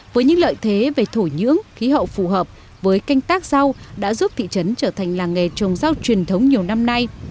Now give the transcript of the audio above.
với những lợi thế về thổ nhưỡng khí hậu phù hợp với canh tác rau đã giúp thị trấn trở thành làng nghề trồng rau truyền thống nhiều năm nay